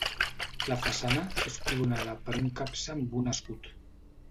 La façana és coronada per un capcer amb un escut.